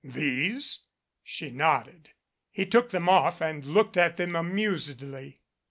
"These?" She nodded. He took them off and looked at them amusedly.